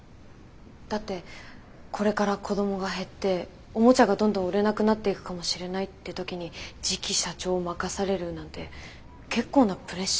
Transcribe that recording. だってこれから子どもが減っておもちゃがどんどん売れなくなっていくかもしれないって時に次期社長を任されるなんて結構なプレッシャーですよね。